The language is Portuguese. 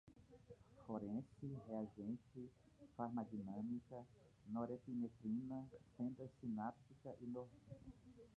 forense, reagente, farmadinâmica, norepinefrina, fenda sináptica, ionotrópico, locomotor